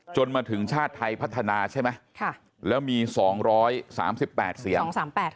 มาถึงชาติไทยพัฒนาใช่ไหมแล้วมี๒๓๘เสียง